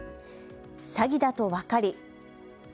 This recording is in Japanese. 詐欺だと分かり。